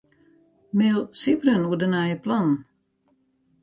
Mail Sybren oer de nije plannen.